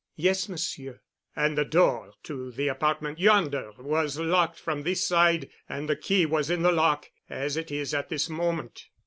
"Yes, Monsieur." "And the door to the apartment yonder was locked from this side and the key was in the lock as it is at this moment?"